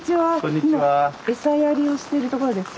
今餌やりをしてるところですか？